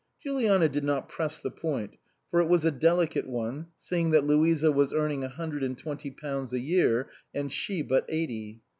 Juliana did not press the point, for it was a delicate one, seeing that Louisa was earning a hundred and twenty pounds a year and she but eighty.